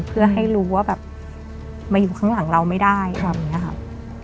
เพื่อให้รู้ว่าแบบมาอยู่ข้างหลังเราไม่ได้ครับอย่างเงี้ยครับ